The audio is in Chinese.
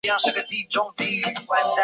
以后他就开始独立工作。